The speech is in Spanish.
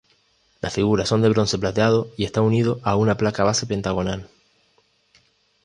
Las figuras son de bronce plateado y está unido a una placa base pentagonal.